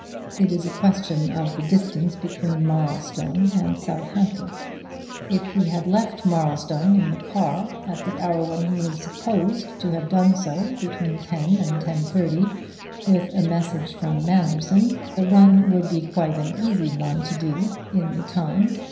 It is a question of the distance between Marlstone and Southampton. If he had left Marlstone in the car at the hour when he is supposed to have done so between ten and ten thirty with a message from Manderson, the run would be quite an easy one to do in the time.